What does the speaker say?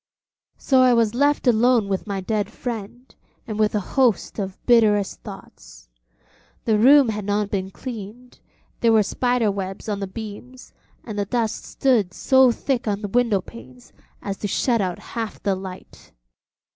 So I was left alone with my dead friend, and with a host of bitterest thoughts. The room had not been cleaned; there were spider webs on the beams, and the dust stood so thick on the window panes as to shut out half the light.